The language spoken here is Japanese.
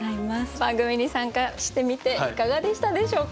番組に参加してみていかがでしたでしょうか？